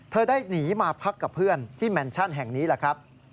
ได้หนีมาพักกับเพื่อนที่แมนชั่นแห่งนี้แหละครับ